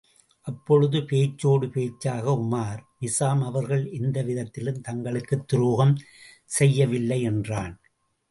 அப்பொழுது பேச்சோடு பேச்சாக உமார், நிசாம் அவர்கள் எந்தவிதத்திலும் தங்களுக்குத் துரோகம் செய்யவில்லை என்றான்.